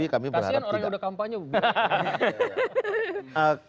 kasian orang yang udah kampanye